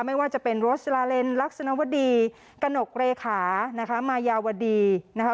ไม่ว่าจะเป็นโรสลาเลนลักษณะวดีกระหนกเลขานะคะมายาวดีนะคะ